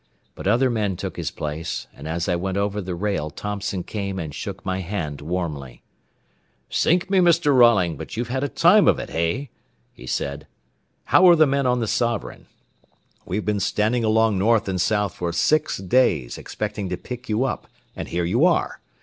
But other men took his place, and as I went over the rail Thompson came and shook my hand warmly. "Sink me, Mr. Rolling, but you've had a time of it, hey?" he said. "How are the men on the Sovereign? We've been standing along north and south for six days, expecting to pick you up, and here you are.